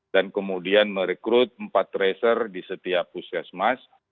dan kemudian merekrut empat tracer di setiap puskesmas